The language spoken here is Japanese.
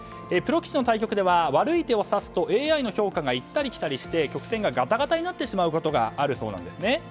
プロ棋士の対局では悪い手を指すとＡＩの評価が行ったり来たりして、曲線がガタガタになってしまうことがあるそうなんです。